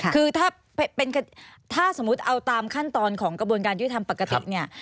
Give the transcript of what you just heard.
คือถ้าสมมุติเอาตามขั้นตอนของกระบวนการยุทธรรมปกติเนี่ย